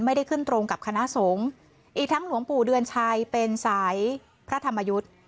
ไม่ได้ขึ้นตรงกับคณะสงฆ์อีกทั้งหลวงปู่เดือนชัยเป็นสายพระธรรมยุทธ์